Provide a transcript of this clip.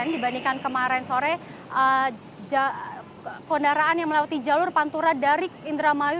dibandingkan kemarin sore kendaraan yang melewati jalur pantura dari indramayu